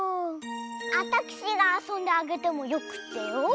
あたくしがあそんであげてもよくってよ。